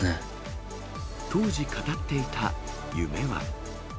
当時、語っていた夢は。